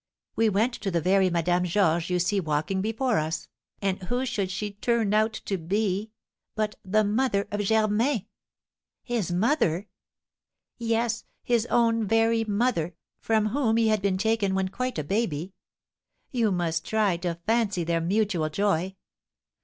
We went to the very Madame Georges you see walking before us, and who should she turn out to be but the mother of Germain!" "His mother?" "Yes, his own very mother, from whom he had been taken when quite a baby! You must try to fancy their mutual joy!